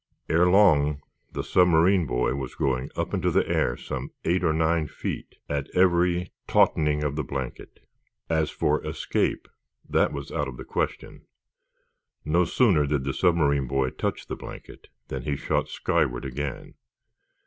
Ere long the submarine boy was going up into the air some eight or nine feet at every tautening of the blanket. As for escape, that was out of the question. No sooner did the submarine boy touch the blanket than he shot skyward again.